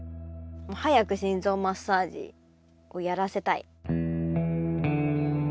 早く心臓マッサージをやらせたい。